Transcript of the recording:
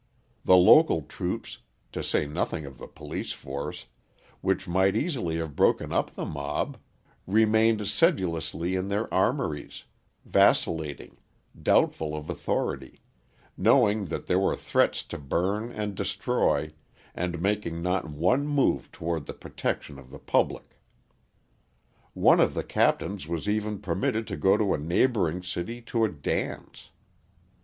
The local troops to say nothing of the police force which might easily have broken up the mob, remained sedulously in their armouries, vacillating, doubtful of authority, knowing that there were threats to burn and destroy, and making not one move toward the protection of the public. One of the captains was even permitted to go to a neighbouring city to a dance!